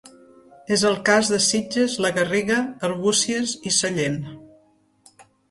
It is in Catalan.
És el cas de Sitges, la Garriga, Arbúcies i Sallent.